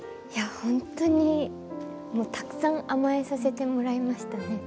本当にたくさん甘えさせてもらいましたね。